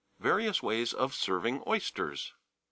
VARIOUS WAYS OF SERVING OYSTERS.